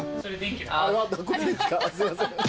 すいません。